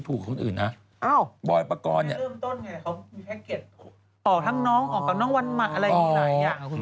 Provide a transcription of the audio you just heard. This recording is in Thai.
ทำไม